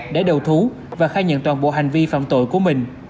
để đầu thú và khai nhận toàn bộ hành vi phạm tội của mình